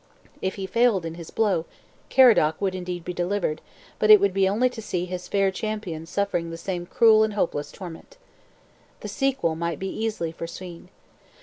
If he failed in his blow, Caradoc would indeed be delivered, but it would be only to see his fair champion suffering the same cruel and hopeless torment. The sequel may be easily foreseen.